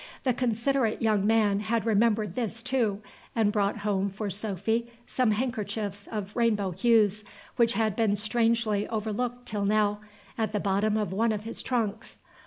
The considerate young man had remembered this, too, and brought home for Sophy some handkerchiefs of rainbow hues, which had been strangely overlooked till now, at the bottom of one of his trunks.